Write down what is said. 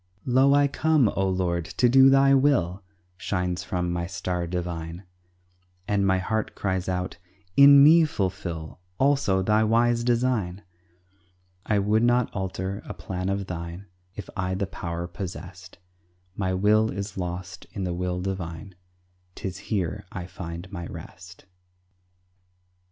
"Lo, I come, O Lord, to do Thy will!" Shines from my star divine, And my heart cries out, "In me fulfill Also, Thy wise design." I would not alter a plan of thine If I the power possessed; My will is lost in the will divine, 'Tis here I find my rest.